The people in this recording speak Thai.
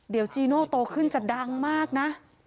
เดี๋ยวจีโน่โตขึ้นจะดังมากนะ